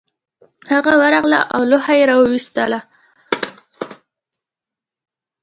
هغه ورغله او لوحه یې راویستله